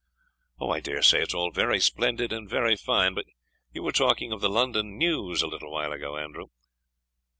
"I daresay it is all very splendid and very fine but you were talking of the London news a little while ago, Andrew."